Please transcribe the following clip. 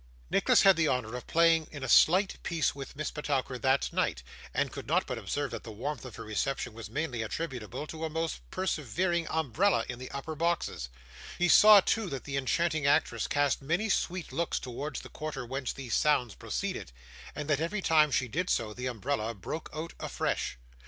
Nicholas had the honour of playing in a slight piece with Miss Petowker that night, and could not but observe that the warmth of her reception was mainly attributable to a most persevering umbrella in the upper boxes; he saw, too, that the enchanting actress cast many sweet looks towards the quarter whence these sounds proceeded; and that every time she did so, the umbrella broke out afresh.